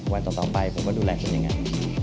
วันต่อไปผมก็ดูแลคุณยังไง